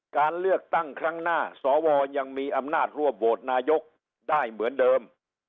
การเลือกตั้งครั้งหน้าสวยังมีอำนาจร่วมโหวตนายกได้เหมือนเดิม